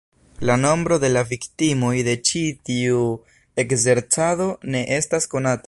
La nombro de la viktimoj de ĉi tiu ekzercado ne estas konata.